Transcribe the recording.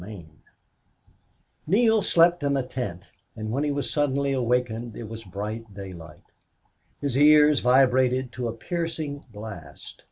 19 Neale slept in a tent, and when he was suddenly awakened it was bright daylight. His ears vibrated to a piercing blast.